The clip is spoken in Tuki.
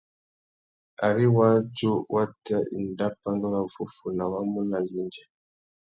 Ari wādjú wa tà enda pandúruffúffuna, wá mú nà yêndzê.